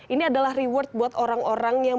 ini adalah reward buat orang orang yang